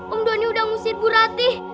om doni udah ngusir bu ratih